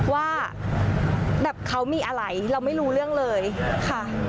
ว่าแบบเขามีอะไรเราไม่รู้เรื่องเลยค่ะ